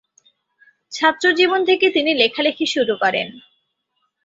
ছাত্রজীবন থেকে তিনি লেখালেখি শুরু করেন।